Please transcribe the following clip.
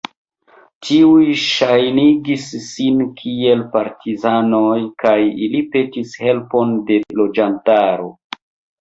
Tiuj ŝajnigis sin kiel partizanoj kaj ili petis helpon de loĝantaro.